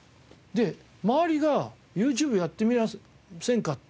で周りが「ＹｏｕＴｕｂｅやってみませんか」と。